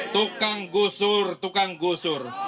tukang gusur tukang gusur